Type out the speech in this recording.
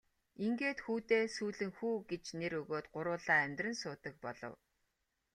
Ингээд хүүдээ Сүүлэн хүү гэж нэр өгөөд гурвуулаа амьдран суудаг болов.